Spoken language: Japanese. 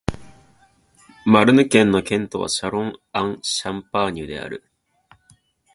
マルヌ県の県都はシャロン＝アン＝シャンパーニュである